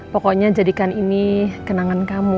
pokoknya jadikan ini kenangan kamu